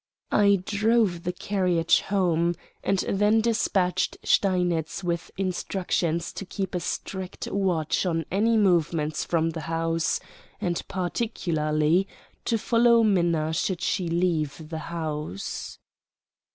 I drove the carriage home, and then despatched Steinitz with instructions to keep a strict watch on any movements from the house, and particularly to follow Minna should she leave the house.